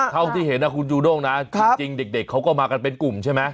เท่าที่เห็นนะคุณจูด้งนะจริงเด็กเขาก็มากันเป็นกลุ่มใช่ไหม